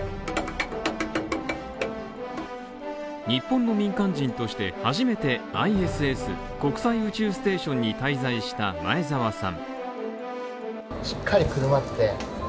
日本の民間人として初めてＩＳＳ＝国際宇宙ステーションに滞在した前澤さん。